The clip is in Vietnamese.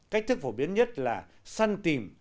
cách thức phổ biến nhất là săn tìm